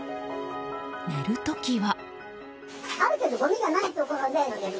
寝る時は。